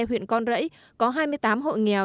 huyện con rẫy có hai mươi tám hộ nghèo